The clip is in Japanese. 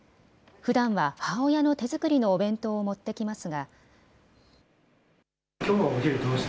ふだんは母親の手作りのお弁当を持ってきますが。